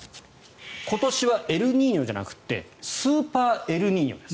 今年はエルニーニョじゃなくてスーパーエルニーニョです。